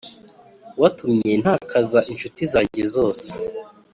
watumye ntakaza inshuti zanjye zose.